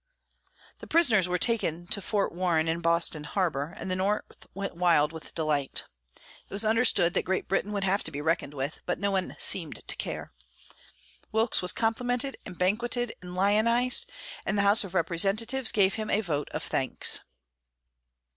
The prisoners were taken to Fort Warren, in Boston harbor, and the North went wild with delight. It was understood that Great Britain would have to be reckoned with, but no one seemed to care. Wilkes was complimented and banquetted and lionized, and the House of Representatives gave him a vote of thanks.